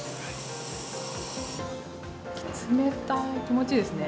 冷たい、気持ちいいですね。